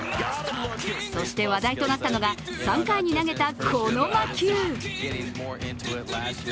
そして話題となったのが３回に投げたこの魔球。